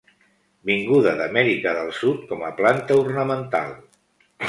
Vinguda d'Amèrica del sud com a planta ornamental.